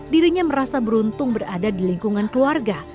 dirinya merasa beruntung berada di lingkungan keluarga